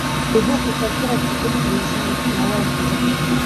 د اوبو ککړتیا د طبیعت پر نظام ناوړه اغېز کوي.